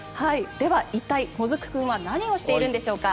では、一体もずく君は何をしているんでしょうか。